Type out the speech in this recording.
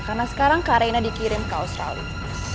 karena sekarang kak reina dikirim ke australia